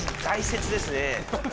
大切ですね。